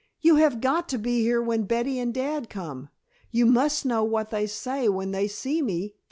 "You have got to be here when Betty and Dad come. You must know what they say when they see me thin!"